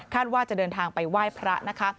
ว่าจะเดินทางไปไหว้พระนะคะ